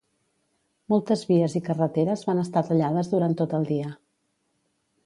Moltes vies i carreteres van estar tallades durant tot el dia.